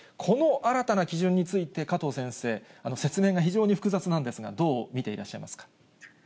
この新たな基準について、加藤先生、説明が非常に複雑なんですが、どう見ていらっしゃいますか。